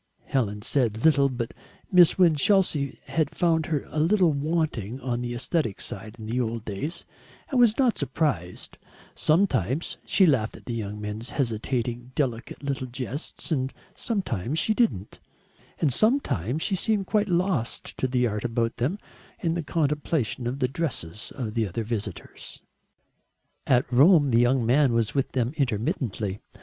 Helen said little, but Miss Winchelsea had found her a little wanting on the aesthetic side in the old days and was not surprised; sometimes she laughed at the young man's hesitating delicate little jests and sometimes she didn't, and sometimes she seemed quite lost to the art about them in the contemplation of the dresses of the other visitors. At Rome the young man was with them intermittently.